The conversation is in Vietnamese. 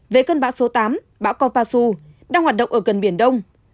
về cơn bão số tám bão kopasu đang hoạt động ở gần biển đông